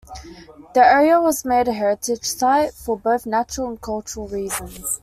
The area was made a heritage site for both natural and cultural reasons.